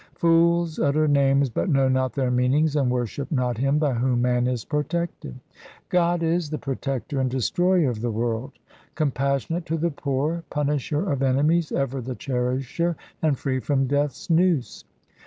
Fools utter names, but know not their meanings, and worship not Him by whom man is protected. God is the Protector and Destroyer of the world, Com passionate to the poor, Punisher of enemies, ever the Cherisher, and free from Death's noose.